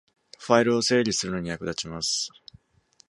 ファイルを整理するのに役立ちます